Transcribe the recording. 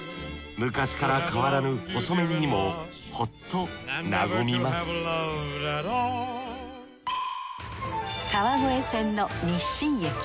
昔から変わらぬ細麺にもほっと和みます川越線の日進駅。